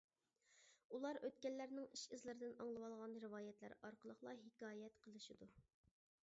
ئۇلار ئۆتكەنلەرنىڭ ئىش ئىزلىرىدىن ئاڭلىۋالغان رىۋايەتلەر ئارقىلىقلا ھېكايەت قىلىشىدۇ.